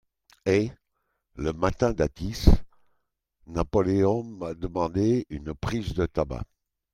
Et, le matin d'Athis, Napoleon m'a demande une prise de tabac.